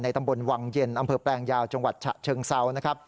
ตำบลวังเย็นอำเภอแปลงยาวจังหวัดฉะเชิงเซานะครับ